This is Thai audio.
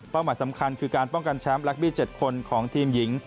หมายสำคัญคือการป้องกันแชมป์ลักบี้๗คนของทีมหญิง